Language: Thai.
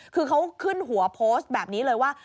คือเขาขึ้นหัวโพสต์แบบนี้เลยว่า